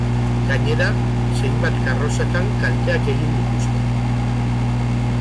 Gainera, zenbait karrozatan kalteak egin dituzte.